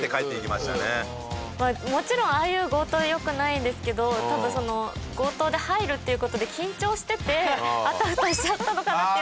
まあもちろんああいう強盗良くないんですけど多分強盗で入るっていう事で緊張しててあたふたしちゃったのかなって。